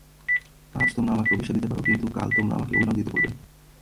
আজ তোমরা আমাকে অভিশাপ দিতে পার, কিন্তু কাল তোমরা আমাকে অভিনন্দিত করিবে।